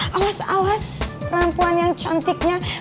awas awas perempuan yang cantiknya